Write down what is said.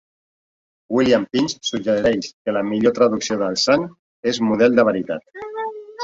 William Pinch suggereix que la millor traducció de "sant" és "model de veritat".